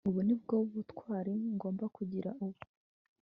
ubu ni bwo butwari ngomba kugira ubu